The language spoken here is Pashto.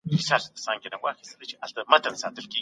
هدف نه پېژندل پرمختګ ورو کوي.